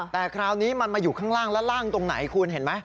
แต่คราวนี้มันมาอยู่ข้างล่างแล้วล่างตรงไหนคุณเห็นไหม